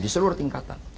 di seluruh tingkatan